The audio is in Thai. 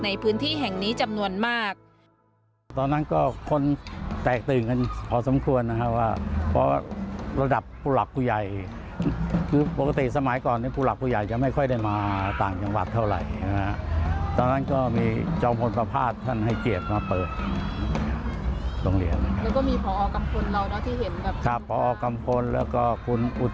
ในพื้นที่แห่งนี้จำนวนมาก